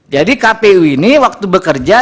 jadi kpu ini waktu bekerja